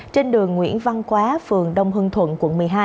trên đường nguyễn văn quá phường đông hưng thuận quận một mươi hai